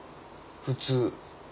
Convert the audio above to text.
普通。